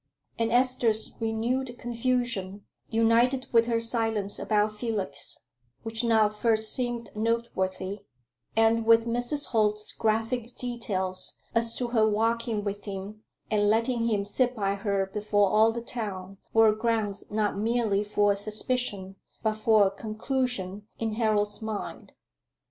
And Esther's renewed confusion, united with her silence about Felix, which now first seemed noteworthy, and with Mrs. Holt's graphic details as to her walking with him and letting him sit by her before all the town were grounds not merely for a suspicion, but for a conclusion in Harold's mind.